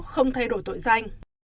không thay đổi tội danh